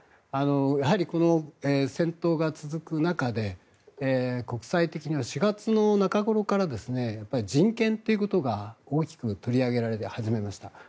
やはりこの戦闘が続く中で国際的には４月の中ごろから人権ということが大きく取り上げられ始めました。